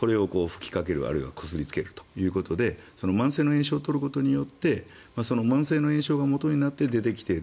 これをこすりつけるということで慢性の炎症を取ることによって慢性の炎症がもとになって出てきている